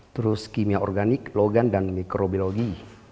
terus kimia organik logan dan mikrobiologi